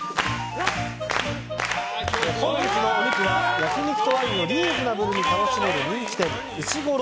本日のお肉は焼き肉とワインをリーズナブルに楽しめる人気店うしごろ